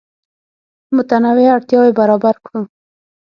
متنوع اړتیاوې برابر کړو.